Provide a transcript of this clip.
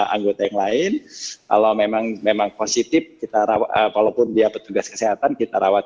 anggota yang lain kalau memang memang positif kita rawat walaupun dia petugas kesehatan kita rawat